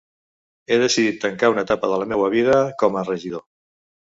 He decidit tancar una etapa de la meua vida com a regidor.